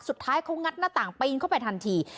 สุดท้ายเขางัดหน้าต่างปีนเข้าไปทันที